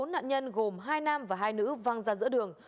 bốn nạn nhân gồm hai nam và hai nữ văng ra giữa đường